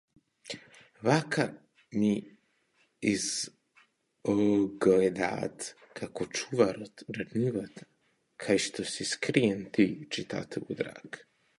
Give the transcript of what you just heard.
Вака ми излгедат како чуварот на нивата кај шо си скриен ти читателу драг.